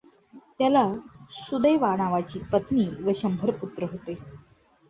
त्याला सुदेवा नावाची पत्नी व शंभर पुत्र होते.